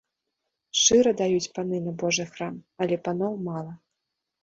Шчыра даюць паны на божы храм, але паноў мала.